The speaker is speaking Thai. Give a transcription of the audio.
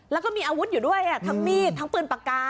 แล้วก็มีอาวุธอยู่ด้วยทั้งมีดทั้งปืนปากกา